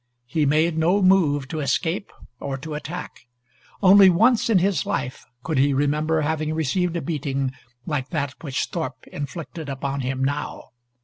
He made no move to escape or to attack. Only once in his life could he remember having received a beating like that which Thorpe inflicted upon him now.